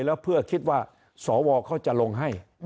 แล้วเพื่อคิดว่าสวเขาจะลงให้